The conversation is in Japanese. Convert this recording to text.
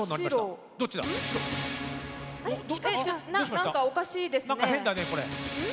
何かおかしいですね。